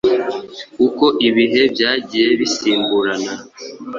Uko ibihe byagiye bisimburana